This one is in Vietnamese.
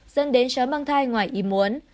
dẫn đến cháu mang thai ngoài ý muốn